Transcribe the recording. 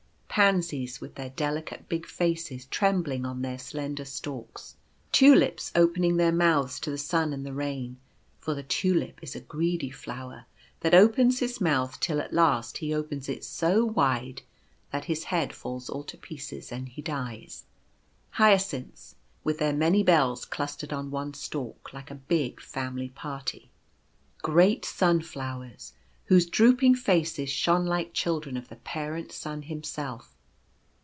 Pansies, with their delicate big faces trembling on their slender stalks. Tulips, opening their mouths to the sun and the rain ; for the Tulip is a greedy flower, that opens his mouth till at last he opens it so wide that his head falls all to pieces and he dies. Hyacinths, with their many bells clustered on one stalk — like a big family party. Great Sunflowers, whose drooping faces shone like children of the parent Sun himself.